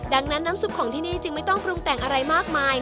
ดังนั้นน้ำซุปของที่นี่จึงไม่ต้องปรุงแต่งอะไรมากมาย